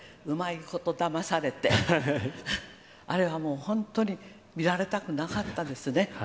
うまいことだまされて、あれはもう、本当に見られたくなかったですね。